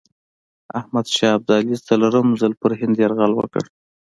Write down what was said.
احمدشاه ابدالي څلورم ځل پر هند یرغل وکړ.